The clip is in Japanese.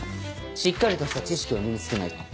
しっかりとした知識を身に付けないと。